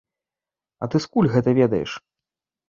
А ты скуль гэта ведаеш?